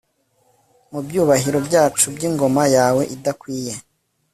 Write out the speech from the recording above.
Mubyubahiro byacu byingoma yawe idakwiye